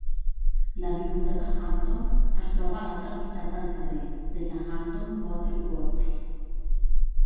La Biblioteca Hampton es troba a l'altre costat del carrer des de Hampton Water Works.